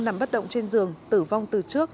nằm bất động trên giường tử vong từ trước